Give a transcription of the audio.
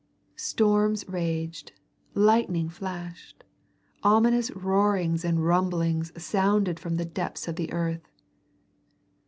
Storms raged; lightning flashed; ominous roarings and rumblings sounded from the depths of the earth.